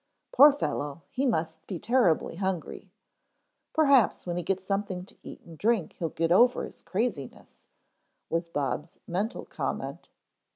"Poor fellow, he must be terribly hungry. Perhaps when he gets something to eat and drink he'll get over his craziness," was Bob's mental comment.